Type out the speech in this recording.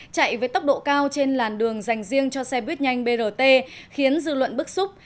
chạy với tốc độ cao trên làn đường dành riêng cho xe buýt nhanh brt khiến dư luận bức xúc